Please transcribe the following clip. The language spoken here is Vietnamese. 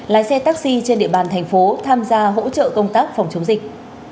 lái xe taxi trên địa bàn thành phố tham gia hỗ trợ công tác phòng chống dịch